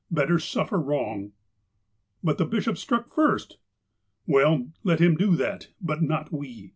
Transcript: Better suffer wrong." *' But the bishop struck us first." " Well, let him do that ; but not we.